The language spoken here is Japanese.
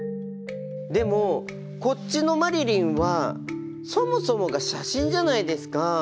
でもこっちの「マリリン」はそもそもが写真じゃないですか。